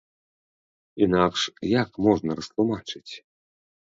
Інакш, як можна растлумачыць?